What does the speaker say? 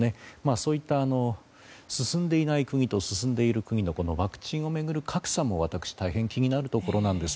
そういった進んでいない国と進んでいる国のこのワクチンを巡る格差も私、大変気になるところです。